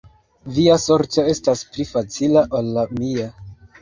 Via sorto estas pli facila ol la mia.